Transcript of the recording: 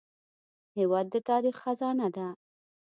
هېواد د تاریخ خزانه ده.